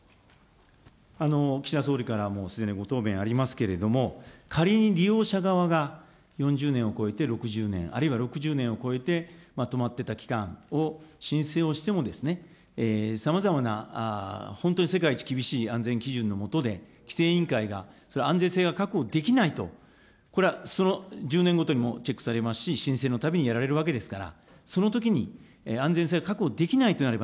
岸田総理からもすでにご答弁ありますけれども、仮に利用者側が、４０年を超えて６０年、あるいは６０年を超えて、止まってた期間を申請をしてもですね、さまざまな、本当に世界一厳しい安全基準の下で規制委員会が、それは安全性が確保できないと、これはその１０年ごとにチェックされますし、申請のたびにやられるわけですから、そのときに、安全性が確保できないとなれば、